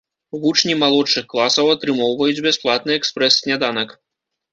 Вучні малодшых класаў атрымоўваюць бясплатны экспрэс-сняданак.